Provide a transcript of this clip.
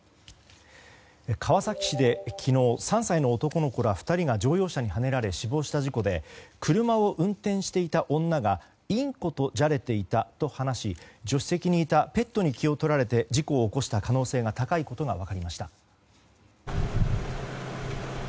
川崎市で昨日、３歳の男の子ら２人が乗用車にはねられ死亡した事故で車を運転していた女がインコとじゃれていたと話し助手席にいたペットに気を取られて事故を起こした可能性が高いことが分かりました。